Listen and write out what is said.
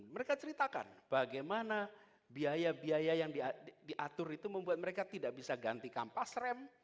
mereka ceritakan bagaimana biaya biaya yang diatur itu membuat mereka tidak bisa ganti kampas rem